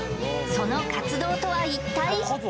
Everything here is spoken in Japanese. その活動とは一体？